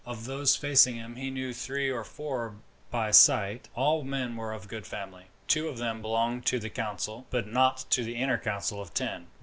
Of those facing him he knew three or four by sight; all were men of good family. Two of them belonged to the council, but not to the inner Council of Ten.